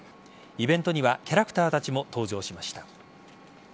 イベントにはキャラクターたちも登場しました。